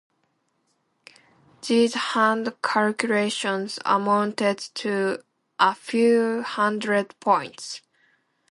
These hand calculations amounted to "a few hundred points".